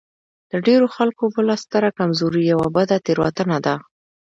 د ډېرو خلکو بله ستره کمزوري يوه بده تېروتنه ده.